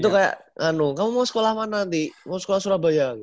itu kayak kamu mau sekolah mana nanti mau sekolah surabaya